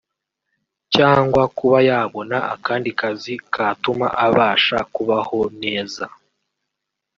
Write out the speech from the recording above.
cyangwa kuba yabona akandi kazi katuma abasha kubaho neza